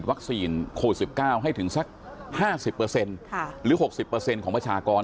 ชีดวัคซีนโคลด๑๙ให้ถึงสัก๕๐หรือ๖๐ของประชากร